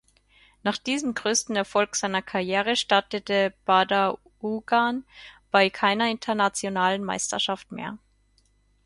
Nach diesem größten Erfolg seiner Karriere startete Badar-Uugan bei keiner internationalen Meisterschaft mehr.